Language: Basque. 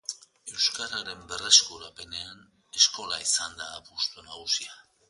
Euskararen berreskurapenean eskola izan da apustu nagusia.